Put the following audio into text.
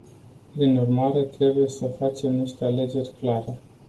Prin urmare, trebuie să facem niște alegeri clare.